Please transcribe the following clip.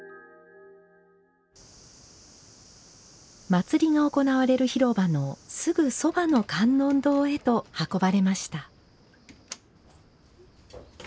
祭りが行われる広場のすぐそばの観音堂へと運ばれました。